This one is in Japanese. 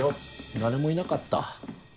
誰もいなかった。